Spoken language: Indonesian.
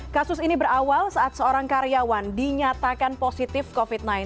kasus ini berawal saat seorang karyawan dinyatakan positif covid sembilan belas